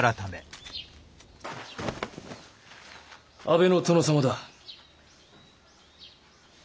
安部の殿様だ。